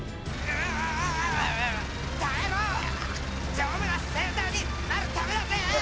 丈夫なセーターになるためだぜ。